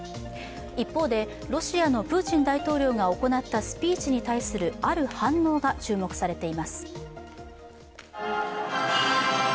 一方で、ロシアのプーチン大統領が行ったスピーチに対するある反応が注目されています。